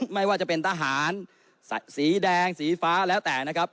ไม่ว่าจะเป็นทหารสีแดงสีฟ้าแล้วแต่นะครับ